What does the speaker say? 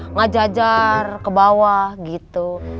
ngajajar ke bawah gitu